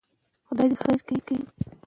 تېره میاشت ما یو ډېر ښکلی پښتو شعر واورېد.